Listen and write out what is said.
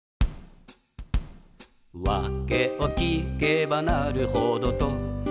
「わけを聞けばなるほどと」